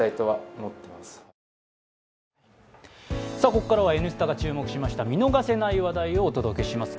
ここからは「Ｎスタ」が注目しました見逃せない話題をお届けします。